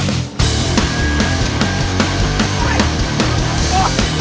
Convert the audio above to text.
nah ini tuh